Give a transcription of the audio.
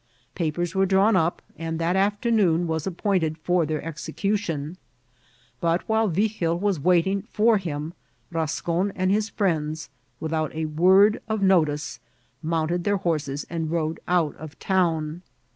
Papers were drawn up, and that afternoon was appoint ed for their execution ; but, while Vigil was waiting for him, Bascon and his friends, without a word of notice, mounted their horses and rode out of town.